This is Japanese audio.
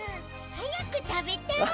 はやくたべたい！